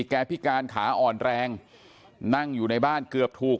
พิการขาอ่อนแรงนั่งอยู่ในบ้านเกือบถูก